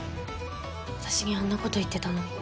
私にあんなこと言ってたのに。